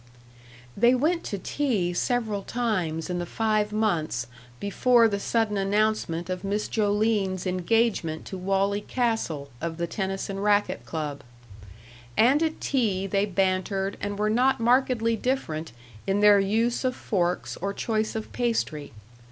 They went to tea several times in the five months before the sudden announcement of Miss Joline's engagement to Wally Castle, of the Tennis and Racquet Club. And at tea they bantered and were not markedly different in their use of forks or choice of pastry.